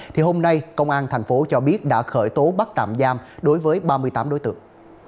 thì hôm nay công an tp cho biết đã khởi tố bắt tạm giam đối với ba mươi tám đối tượng